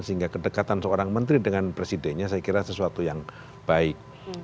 sehingga kedekatan seorang menteri dengan presidennya saya kira sesuatu yang baik